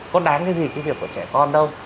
có đáng cái gì cái việc của trẻ con đâu